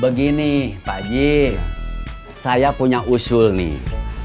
begini pak haji saya punya usul nih